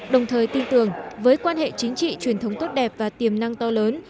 đồng thời tin tưởng với quan hệ chính trị truyền thống tốt đẹp và tiềm năng to lớn